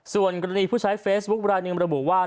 ส่วนกรณีผู้ใช้เฟซบุ๊คบรรณินมรบุว่า